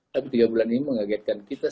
tapi tiga bulan ini mengagetkan kita